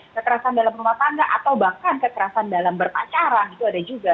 kekerasan dalam rumah tangga atau bahkan kekerasan dalam berpacaran itu ada juga